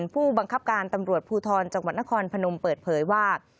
ผู้บังคับการตำรวจภูทรจังหวัดนครพนมเปิดเผยว่า